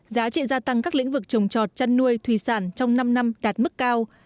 giá trị gia tăng các lĩnh vực trồng trọt chăn nuôi thủy sản trong năm năm đạt mức cao